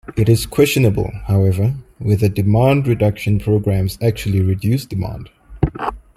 It is questionable, however, whether demand reduction programs actually reduce demand.